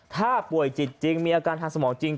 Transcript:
ถ้าป่วยจิตจริงมีอาการทางสมองจริง